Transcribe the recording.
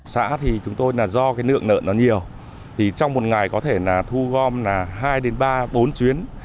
xã thì chúng tôi là do cái nượng lợn nó nhiều thì trong một ngày có thể là thu gom là hai ba bốn chuyến